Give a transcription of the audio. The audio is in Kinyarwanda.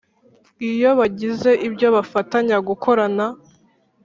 iyo bagize ibyo bafatanya gukorana